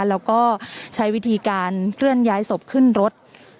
แล้วก็ใช้วิธีการเคลื่อนย้ายศพขึ้นรถ